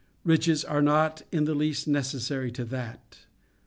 Riches are not in the least necessary to that.